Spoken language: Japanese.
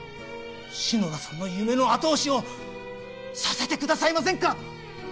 篠田さんの夢の後押しをさせてくださいませんか？